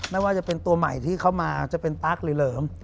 ไม่ว่าจะเป็นตัวใหม่ที่เข้ามาจะเป็นตั๊กหรือเหลิม